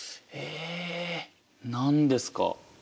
え何ですか？